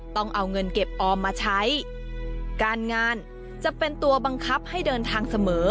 ต้องเอาเงินเก็บออมมาใช้การงานจะเป็นตัวบังคับให้เดินทางเสมอ